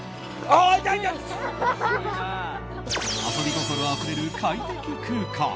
遊び心あふれる快適空間。